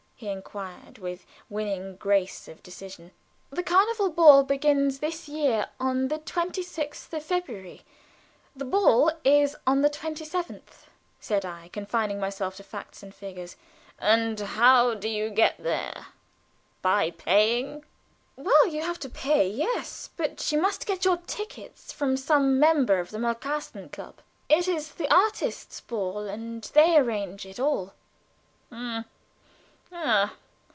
he inquired, with winning grace of diction. "The carnival begins this year on the 26th of February. The ball is on the 27th," said I, confining myself to facts and figures. "And how do you get there? By paying?" "Well, you have to pay yes. But you must get your tickets from some member of the Malkasten Club. It is the artists' ball, and they arrange it all." "H'm!